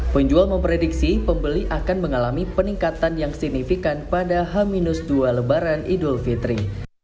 penjual memprediksi pembeli akan mengalami peningkatan yang signifikan pada h dua lebaran idul fitri